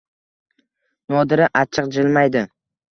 Nodira achchiq jilmaydi